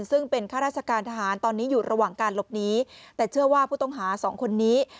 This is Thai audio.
ซึ่งเป็นข้าราชการทหารตอนนี้อยู่ระหว่างการหลบหนีแต่เชื่อว่าผู้ต้องหาสองคนนี้